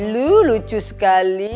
lu lucu sekali